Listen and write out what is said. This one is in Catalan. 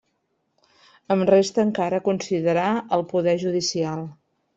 Em resta encara considerar el poder judicial.